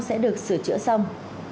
sẽ được sửa chữa xong